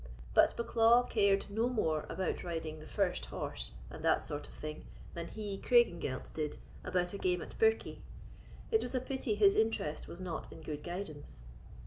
But Bucklaw cared no more about riding the first horse, and that sort of thing, than he, Craigengelt, did about a game at birkie: it was a pity his interest was not in good guidance."